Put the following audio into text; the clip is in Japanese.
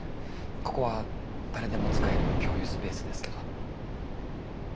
ここは誰でも使える共有スペースですけど。